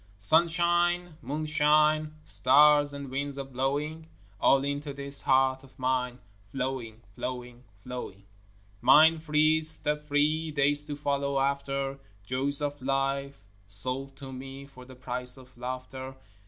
Sun shine, moon shine, Stars, and winds a blowing, All into this heart of mine Flowing, flowing, flowing! Mind free, step free, Days to follow after, Joys of life sold to me For the price of laughter.